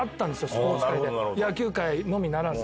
スポーツ界野球界のみならず。